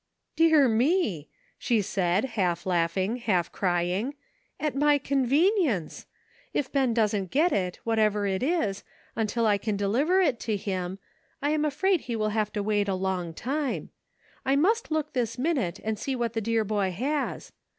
"Dear me!" she said, half laughing, half crying, "at my convenience. If Ben doesn't 814 ''MERRY CHRISTMAS." get it, whatever it is, until I can deliver it to him, I am afraid he will have to wait a long time. I must look this minute and see what the dear boy has.